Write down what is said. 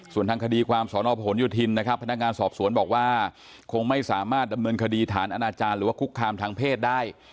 ส่วนทางคดีความสนพหนโยธินนะครับพนักงานสอบสวนบอกว่าคงไม่สามารถดำเนินคดีฐานอนาจารย์หรือว่าคุกคามทางเพศได้